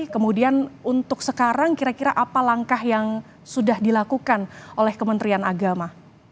kemudian untuk sekarang kira kira apa langkah yang sudah dilakukan oleh kementerian agama